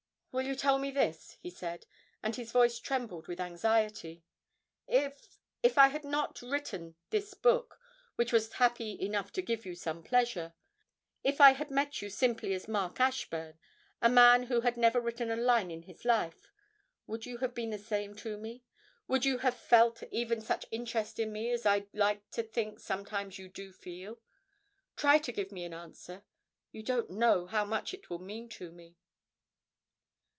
'Will you tell me this,' he said, and his voice trembled with anxiety, 'if if I had not written this book which was happy enough to give you some pleasure if I had met you simply as Mark Ashburn, a man who had never written a line in his life, would you have been the same to me? Would you have felt even such interest in me as I like to think sometimes you do feel? Try to give me an answer.... You don't know how much it will mean to me.'